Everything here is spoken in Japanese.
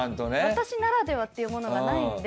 私ならではっていうものがないので。